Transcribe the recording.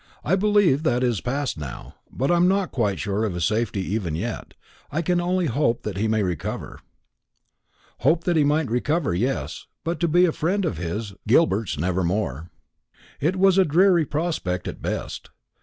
I believe that is past now; but I am not quite sure of his safety even yet. I can only hope that he may recover." Hope that he might recover, yes; but to be a friend of his, Gilbert's, never more. It was a dreary prospect at best.